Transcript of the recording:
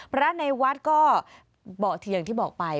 พระราชในวัดก็เห็นตัวที่อย่างที่บอกไป